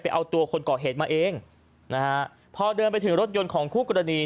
เอาตัวคนก่อเหตุมาเองนะฮะพอเดินไปถึงรถยนต์ของคู่กรณี